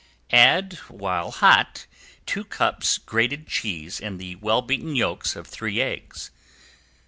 Add while hot two cups grated cheese and the well beaten yolks of three eggs.